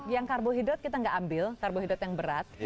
yang karbohidrat kita nggak ambil karbohidrat yang berat